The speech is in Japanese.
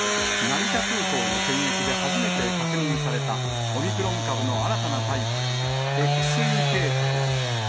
成田空港の検疫で初めて確認された、オミクロン株の新たなタイプ、ＸＥ系統。